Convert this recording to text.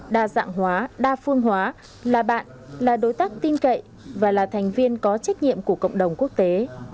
đa dạng hóa đa phương hóa là bạn là đối tác tin cậy và là thành viên có trách nhiệm của cộng đồng quốc tế